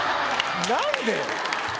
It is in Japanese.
何で？